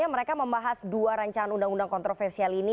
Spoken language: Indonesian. mereka membahas dua rancangan undang undang kontroversial ini